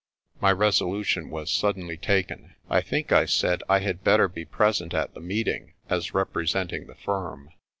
My resolution was suddenly taken. "I think," I said, "I had better be present at the meeting, as representing the firm."